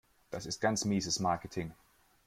Das ist ganz mieses Marketing.